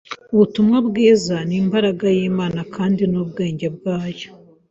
Ubutumwa bwiza ni imbaraga y’Imana kandi ni ubwenge bwayo.